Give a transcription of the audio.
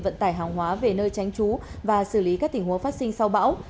vận tải hàng hóa về nơi tránh trú và xử lý các tình huống phát sinh sau bão